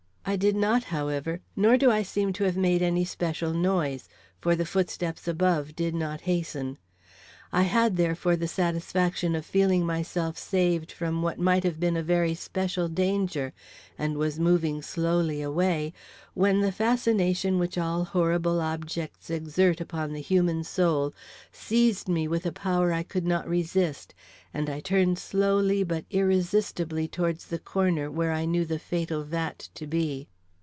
I did not, however, nor do I seem to have made any special noise, for the footsteps above did not hasten. I had, therefore, the satisfaction of feeling myself saved from what might have been a very special danger, and was moving slowly away, when the fascination which all horrible objects exert upon the human soul seized me with a power I could not resist, and I turned slowly but irresistibly towards the corner where I knew the fatal vat to be.